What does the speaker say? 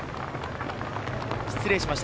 失礼いたしました。